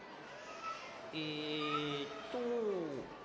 えっと。